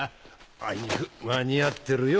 あいにく間に合ってるよ。